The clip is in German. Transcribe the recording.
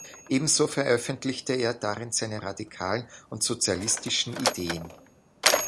Ebenso veröffentlichte er darin seine radikalen und sozialistischen Ideen.